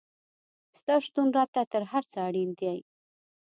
ستا شتون راته تر هر څه اړین دی